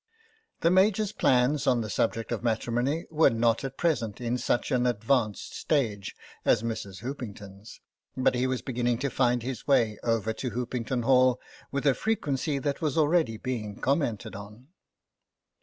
The Major's plans on the subject of matrimony were not at present in such an advanced stage as Mrs. Hoopington's, but he was beginning to find his way over to Hoopington Hall with a frequency that was already being commented on.